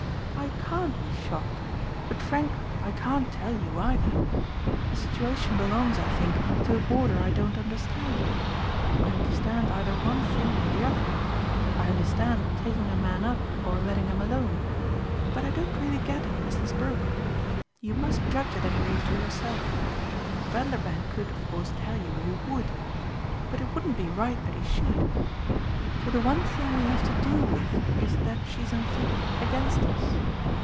I CAN'T be shocked, but frankly I can't tell you either. The situation belongs, I think, to an order I don't understand. I understand either one thing or the other I understand taking a man up or letting him alone. But I don't really get at Mrs. Brook. You must judge at any rate for yourself. Vanderbank could of course tell you if he would but it wouldn't be right that he should. So the one thing we have to do with is that she's in fact against us.